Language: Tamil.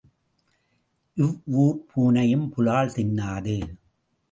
இவ்வூர்ப் பூனையும் புலால் தின்னாது.